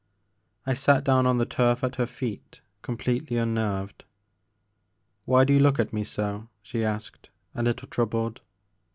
'' I sat down on the turf at her feet completely unnerved. '* Why do you look at me so ?" she asked, a little troubled.